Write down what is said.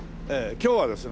今日はですね